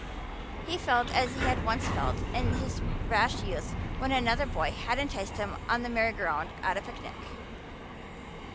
He felt as he had once felt in his rash youth when another boy had enticed him on the merry go round at a picnic.